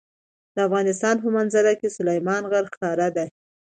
د افغانستان په منظره کې سلیمان غر ښکاره ده.